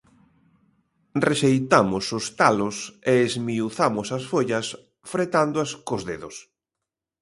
Rexeitamos os talos e esmiuzamos as follas fretándoas cos dedos.